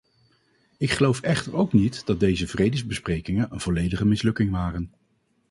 Ik geloof echter ook niet dat deze vredesbesprekingen een volledige mislukking waren.